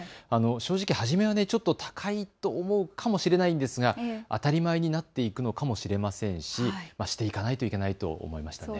初めはちょっと高いと思うかもしれないんですが当たり前なっていくのかもしれませんししていかないといけないと思いました。